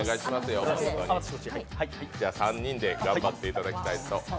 じゃ３人で頑張っていただきたいと思います。